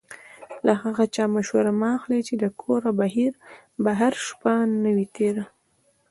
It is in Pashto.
له هغه چا مشوره مه اخلئ چې د کوره بهر شپه نه وي تېره.